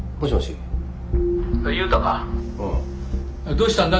どうしたんだ？